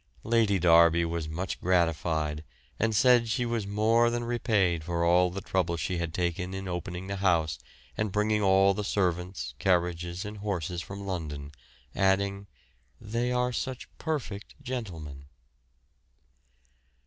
Lady Derby was much gratified, and said she was more than repaid for all the trouble she had taken in opening the house and bringing all the servants, carriages, and horses from London, adding, "They are such perfect gentlemen."